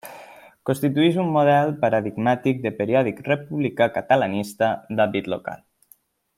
Constitueix un model paradigmàtic de periòdic republicà catalanista d'àmbit local.